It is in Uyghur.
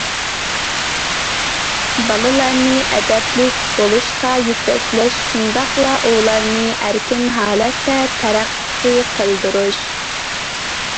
بالىلارنى ئەدەپلىك بولۇشقا يېتەكلەش، شۇنداقلا ئۇلارنى ئەركىن ھالەتتە تەرەققىي قىلدۇرۇش.